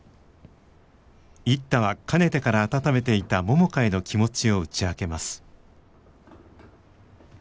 一太はかねてから温めていた百花への気持ちを打ち明けます。